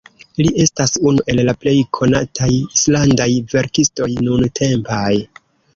Li estas unu el la plej konataj islandaj verkistoj nuntempaj.